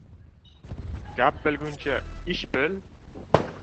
Gap bilguncha, ish bil.